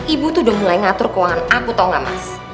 ibu tuh udah mulai ngatur keuangan aku tahu nggak mas